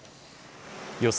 予想